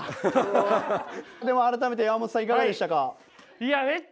では改めて山本さんいかがでしたか？